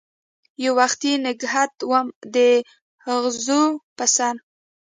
یووختي نګهت وم داغزو په سر